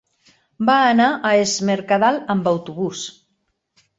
Va anar a Es Mercadal amb autobús.